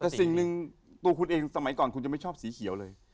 แต่สิ่งหนึ่งตัวคุณเองสมัยก่อนคุณจะไม่ชอบสีเขียวเลย